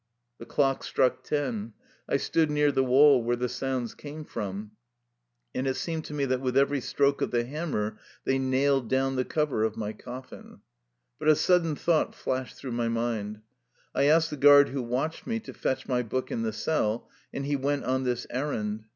The clock struck ten. I stood near the wall where the sounds came from, and it seemed to me that with every stroke of the hammer they nailed down the cover of my cof&n. But a sud den thought flashed through my mind. I asked the guard who watched me to fetch my book in the cell, and he went on this errand.